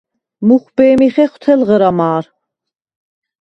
მუხვბე̄მი ხეხვ თელღრა მა̄რ.